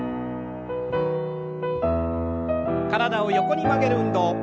体を横に曲げる運動。